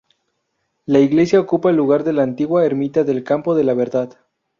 La Iglesia ocupa el lugar de la antigua ermita del Campo de la Verdad.